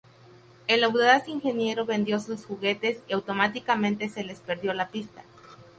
El audaz ingeniero vendió sus juguetes y automáticamente se les perdió la pista.